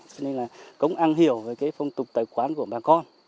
cho nên là cũng ăn hiểu về cái phong tục tài khoản của bà con